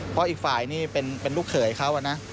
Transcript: เพราะอีกฝ่ายนี่เป็นลูกเขยเขานะ